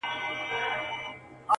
د مقدسي فلسفې د پيلولو په نيت.